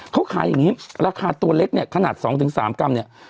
เขาขายอย่างนี้ราคาตัวเล็กเนี่ยขนาด๒๓กรัมเนี่ย